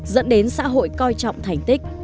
dẫn đến xã hội coi trọng thành tích